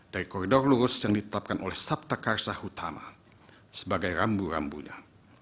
dari koridor lurus yang ditetapkan oleh sabta karsa utama sebagai rambu rambunya